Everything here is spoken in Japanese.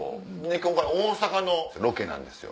今回大阪のロケなんですよ。